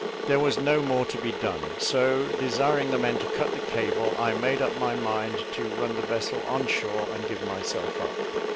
There was no more to be done: so, desiring the men to cut the cable, I made up my mind to run the vessel on shore, and give myself up.